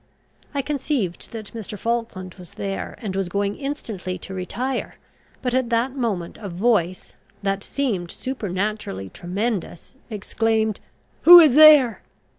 I conceived that Mr. Falkland was there, and was going instantly to retire; but at that moment a voice, that seemed supernaturally tremendous, exclaimed, Who is there?